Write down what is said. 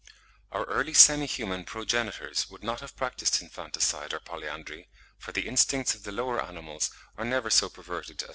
Our early semi human progenitors would not have practised infanticide or polyandry; for the instincts of the lower animals are never so perverted (62.